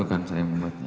bukan saya yang membuat